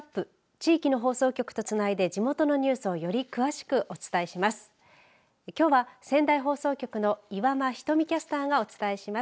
地域の放送局とつないで地元のニュースをより詳しくお伝えします。